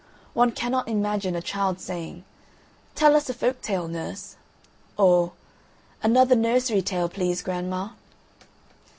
One cannot imagine a child saying, "Tell us a folk tale, nurse," or "Another nursery tale, please, grandma."